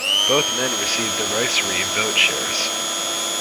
Both men received derisory vote shares.